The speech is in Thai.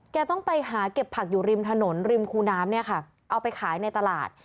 ต้องไปหาเก็บผักอยู่ริมถนนริมคูน้ำเนี่ยค่ะเอาไปขายในตลาด